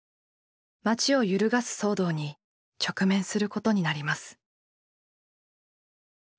町を揺るがす騒動に直面することになります。